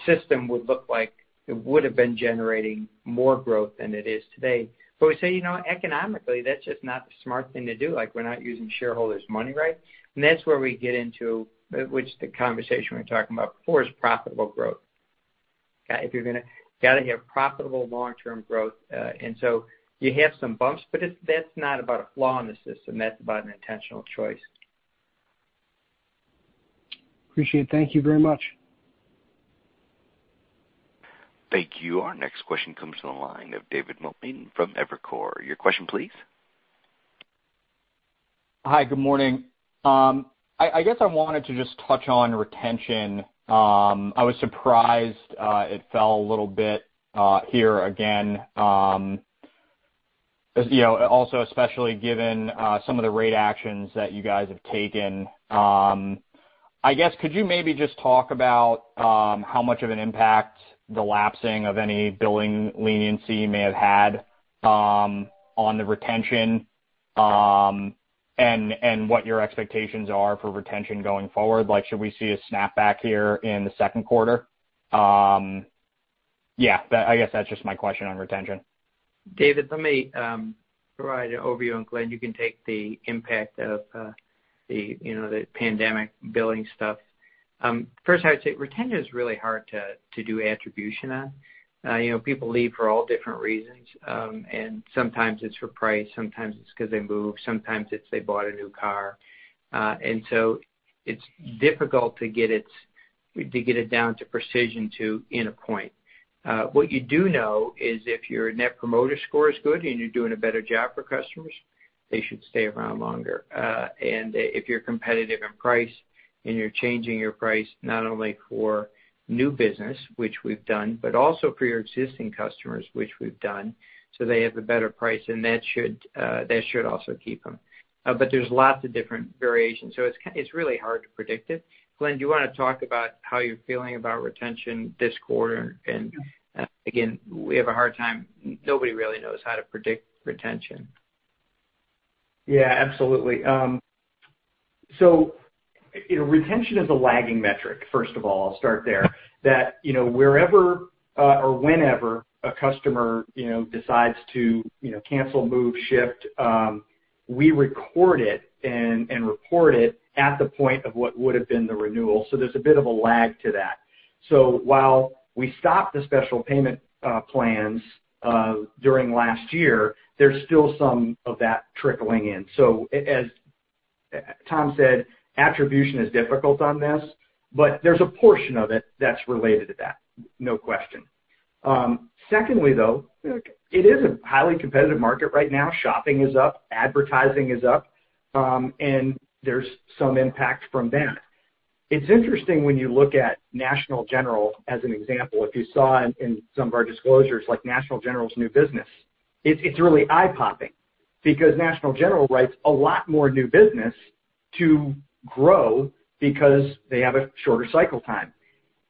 system would look like it would have been generating more growth than it is today. We say, economically, that's just not the smart thing to do. We're not using shareholders' money right. That's where we get into, which the conversation we were talking about before, is profitable growth. Okay? You've got to have profitable long-term growth. You have some bumps, but that's not about a flaw in the system. That's about an intentional choice. Appreciate it. Thank you very much. Thank you. Our next question comes from the line of David Motemaden from Evercore. Your question please. Hi, good morning. I guess I wanted to just touch on retention. I was surprised it fell a little bit here again. Also, especially given some of the rate actions that you guys have taken. I guess, could you maybe just talk about how much of an impact the lapsing of any billing leniency may have had on the retention? What your expectations are for retention going forward? Should we see a snapback here in the 2nd quarter? Yeah, I guess that's just my question on retention. David, let me provide an overview, and Glen, you can take the impact of the pandemic billing stuff. 1st, I would say retention is really hard to do attribution on. People leave for all different reasons, and sometimes it's for price, sometimes it's because they move, sometimes it's they bought a new car. It's difficult to get it down to precision to in a point. What you do know is if your Net Promoter Score is good and you're doing a better job for customers, they should stay around longer. If you're competitive in price and you're changing your price, not only for new business, which we've done, but also for your existing customers, which we've done, so they have a better price, and that should also keep them. There's lots of different variations, so it's really hard to predict it. Glen, do you want to talk about how you're feeling about retention this quarter? Again, we have a hard time. Nobody really knows how to predict retention. Yeah, absolutely. Retention is a lagging metric, 1st of all, I'll start there. That wherever or whenever a customer decides to cancel, move, shift, we record it and report it at the point of what would have been the renewal. There's a bit of a lag to that. While we stopped the special payment plans during last year, there's still some of that trickling in. As Tom said, attribution is difficult on this, but there's a portion of it that's related to that, no question. secondly, though, it is a highly competitive market right now. Shopping is up, advertising is up, and there's some impact from that. It's interesting when you look at National General as an example. If you saw in some of our disclosures, like National General's new business, it's really eye-popping because National General writes a lot more new business to grow because they have a shorter cycle time.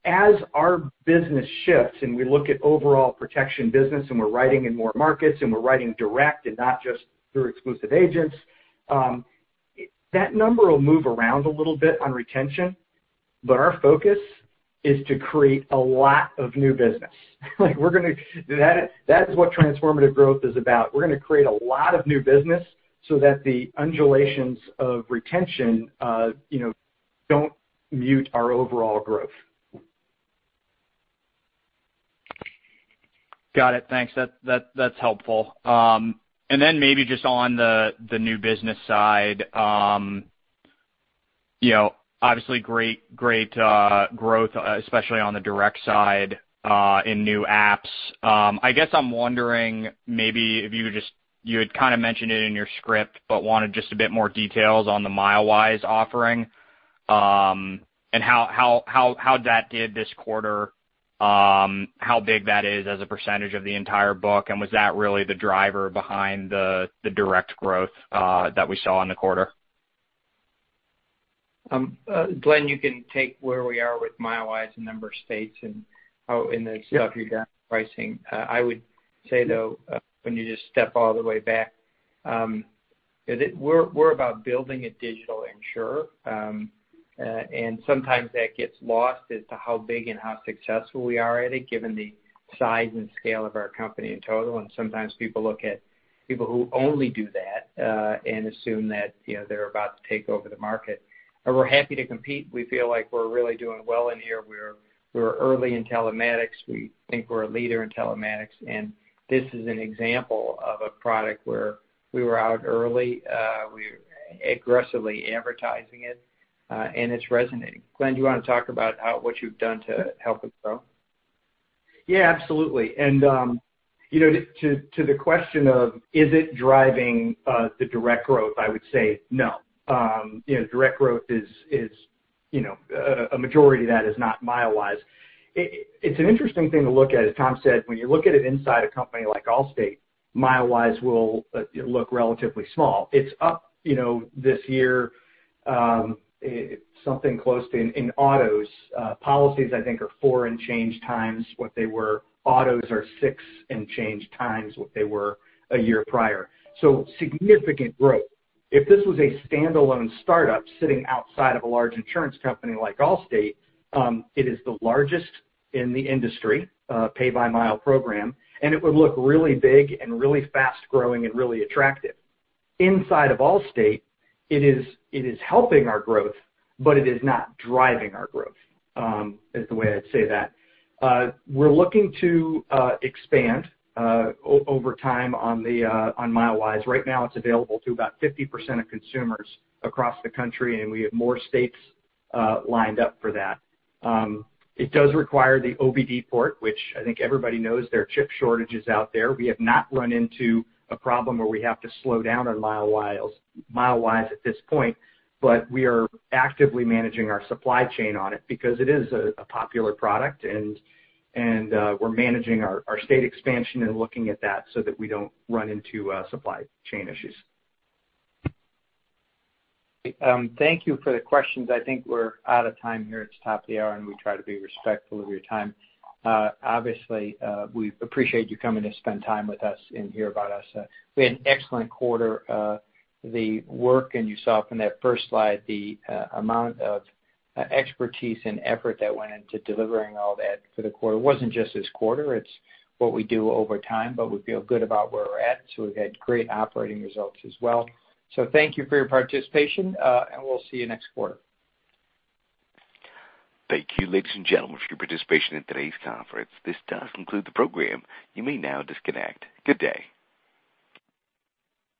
As our business shifts and we look at overall protection business and we're writing in more markets and we're writing direct and not just through exclusive agents, that number will move around a little bit on retention, but our focus is to create a lot of new business. That is what Transformative Growth is about. We're going to create a lot of new business so that the undulations of retention don't mute our overall growth. Got it. Thanks. That's helpful. Maybe just on the new business side. Obviously, great growth, especially on the direct side in new apps. You had kind of mentioned it in your script, but wanted just a bit more details on the Milewise offering, and how that did this quarter, how big that is as a percentage of the entire book, and was that really the driver behind the direct growth that we saw in the quarter? Glen, you can take where we are with Milewise in a number of states and how in the stuff you've done with pricing. I would say, though, when you just step all the way back, we're about building a digital insurer. Sometimes that gets lost as to how big and how successful we are at it, given the size and scale of our company in total. Sometimes people look at people who only do that and assume that they're about to take over the market. We're happy to compete. We feel like we're really doing well in here. We're early in telematics. We think we're a leader in telematics. This is an example of a product where we were out early. We're aggressively advertising it. It's resonating. Glen, do you want to talk about what you've done to help it grow? Yeah, absolutely. To the question of is it driving the direct growth, I would say no. Direct growth, a majority of that is not Milewise. It's an interesting thing to look at. As Tom said, when you look at it inside a company like Allstate, Milewise will look relatively small. It's up this year, something close to, in autos, policies, I think, are four and change times what they were. Autos are six and change times what they were a year prior. Significant growth. If this was a standalone startup sitting outside of a large insurance company like Allstate, it is the largest in the industry, pay-per-mile program, and it would look really big and really fast-growing and really attractive. Inside of Allstate, it is helping our growth, but it is not driving our growth, is the way I'd say that. We're looking to expand over time on Milewise. Right now it's available to about 50% of consumers across the country. We have more states lined up for that. It does require the OBD port, which I think everybody knows there are chip shortages out there. We have not run into a problem where we have to slow down on Milewise at this point. We are actively managing our supply chain on it because it is a popular product. We're managing our state expansion and looking at that so that we don't run into supply chain issues. Thank you for the questions. I think we're out of time here. It's top of the hour, and we try to be respectful of your time. Obviously, we appreciate you coming to spend time with us and hear about us. We had an excellent quarter. The work, and you saw from that 1st slide, the amount of expertise and effort that went into delivering all that for the quarter. It wasn't just this quarter, it's what we do over time, but we feel good about where we're at. We've had great operating results as well. Thank you for your participation, and we'll see you next quarter. Thank you, ladies and gentlemen, for your participation in today's conference. This does conclude the program. You may now disconnect. Good day.